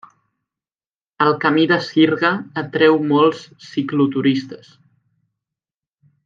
El camí de sirga atreu molts cicloturistes.